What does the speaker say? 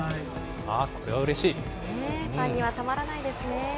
ファンにはたまらないですね。